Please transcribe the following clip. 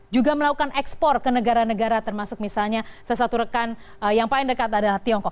juga melakukan ekspor ke negara negara termasuk misalnya sesatu rekan yang paling dekat adalah tiongkok